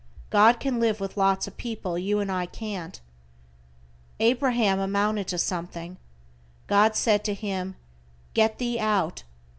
God can live with lots of people you and I can't. Abraham amounted to something, God said to him: "Get thee out."